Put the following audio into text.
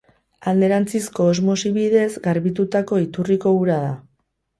Alderantzizko osmosi bidez garbitutako iturriko ura da.